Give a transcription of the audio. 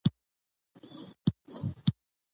عجيب کيف وو.